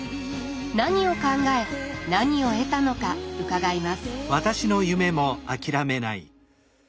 何を考え何を得たのか伺います。